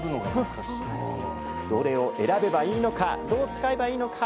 どれを選べばいいのかどう使えばいいのか